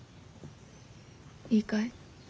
いいかい？